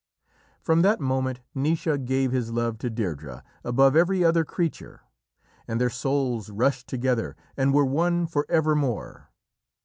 From that moment Naoise "gave his love to Deirdrê above every other creature," and their souls rushed together and were one for evermore.